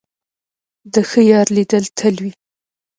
د ښه یار لیدل تل وي.